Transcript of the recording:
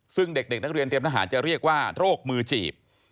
ซึ่งเด็กนักเรียนเตรียมทหารจะเรียกว่าโรคมือจีบ